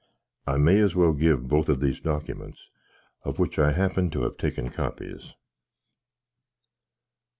I may as well give both of these documence, of which I happen to have taken coppies.